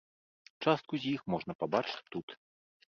Частку з іх можна пабачыць тут.